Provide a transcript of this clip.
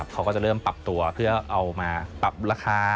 เขาก็จะเริ่มปรับตัวเพื่อเอามาปรับราคา